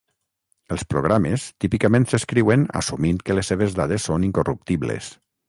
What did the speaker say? Els programes típicament s'escriuen assumint que les seves dades són incorruptibles.